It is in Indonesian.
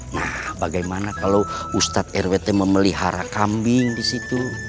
nah bagaimana kalo ustadz rwt memelihara kambing disitu